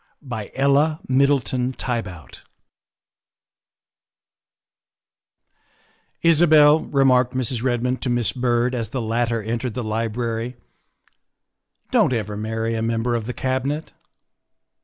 118 THE WIFE OF XII " ISABEL," remarked Mrs. Redmond to Miss Byrd as the latter entered the library, " don't ever marry a member of the Cabinet."